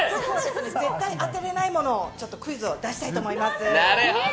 絶対当てれないものをクイズを出したいと思います。